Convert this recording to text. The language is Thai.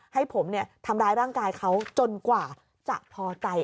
ให้ผมทำร้ายร่างกายเขาจนกว่าจะพอใจ